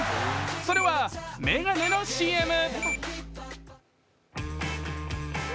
それは眼鏡のＣＭ。